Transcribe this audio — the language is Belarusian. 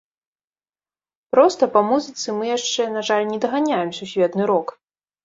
Проста па музыцы мы яшчэ, на жаль, не даганяем сусветны рок.